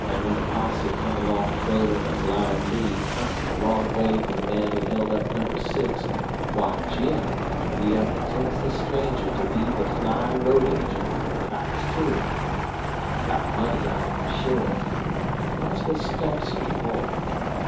An' when a posse come along trailin' a blind lead, huntin' the wrong way for the man who held up No. 6, why, Jim he up an' takes this stranger to be the fly road agent an' cottons to him. Got money out of him sure. An' that's what stumps me more.